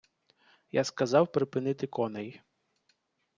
Я сказав припинити коней.